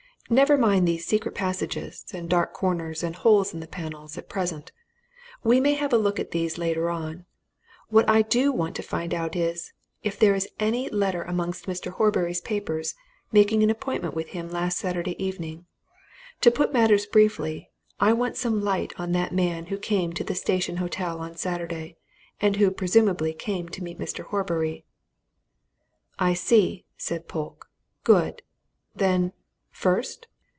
Never mind these secret passages and dark corners and holes in the panels! at present: we may have a look at these later on. What I do want to find out is if there's any letter amongst Mr. Horbury's papers making an appointment with him last Saturday evening. To put matters briefly I want some light on that man who came to the Station Hotel on Saturday, and who presumably came to meet Mr. Horbury." "I see," said Polke. "Good! Then first?"